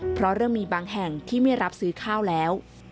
เพราะเริ่มมีบางแห่งที่ไม่รับซื้อข้าวแล้ว